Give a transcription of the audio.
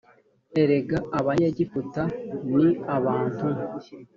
erega abanyegiputa ni abantu